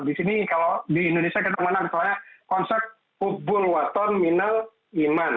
di sini kalau di indonesia kenapa kenapa misalnya konsep ubul waton minal iman